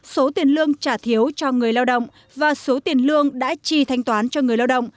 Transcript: số tiền lương trả thiếu cho người lao động và số tiền lương đã chi thanh toán cho người lao động